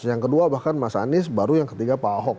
yang kedua bahkan mas anies baru yang ketiga pak ahok